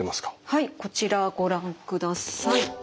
はいこちらご覧ください。